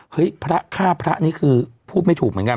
พระฆ่าพระนี่คือพูดไม่ถูกเหมือนกัน